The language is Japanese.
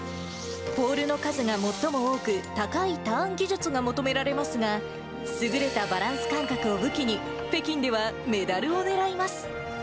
ポールの数が最も多く、高いターン技術が求められますが、優れたバランス感覚を武器に、北京ではメダルをねらいます。